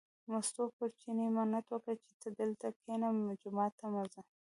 مستو پر چیني منت وکړ چې ته دلته کینې، جومات ته مه ځه.